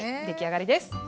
出来上がりです。